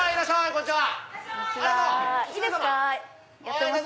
こんにちは。